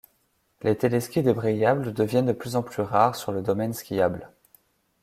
Les téléskis débrayables deviennent de plus en plus rares sur le domaine skiable.